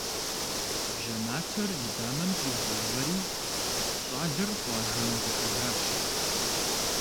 Бжьэ матэр и дамэм тригъэувэри, щӏалэр къуажэм дыхьэжащ.